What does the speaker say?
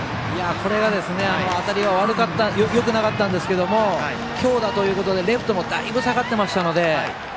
当たりはよくなかったんですが強打ということで、レフトもだいぶ下がっていましたので。